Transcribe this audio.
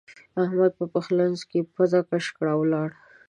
احمد په پخلنځ کې پزه کش کړه او ولاړ.